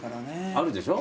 あるでしょ？